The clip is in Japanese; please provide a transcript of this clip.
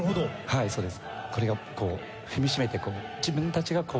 はいそうです。